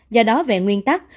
do đó về nguyên tắc